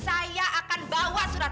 candy bisa berubah